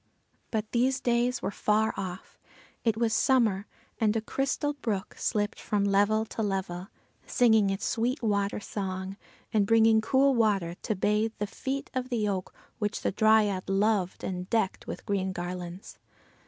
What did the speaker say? But these days were far off. It was summer, and a crystal brook slipped from level to level, singing its sweet water song, and bringing cool water to bathe the feet of the oak which the Dryad loved and decked with green garlands.